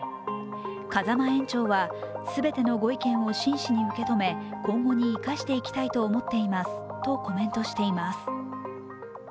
風間園長はすべてのご意見を真摯に受け止め今後に生かしていきたいと思っていますとコメントしています。